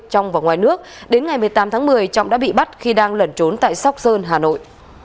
trong và ngoài nước đến ngày một mươi tám tháng một mươi trọng đã bị bắt khi đang lẩn trốn tại sóc sơn hà nội